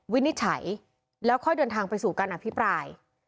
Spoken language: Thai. วินิจฉัยแล้วค่อยเดินทางไปสู่การอภิปราย